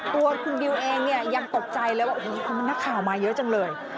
ตัวคุณดิวแอร์นี่ยังตกใจแล้วว่าคุณมันนักข่าวมาเยอะจังเลย